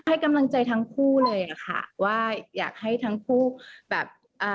ให้กำลังใจทั้งคู่เลยอ่ะค่ะว่าอยากให้ทั้งคู่แบบอ่า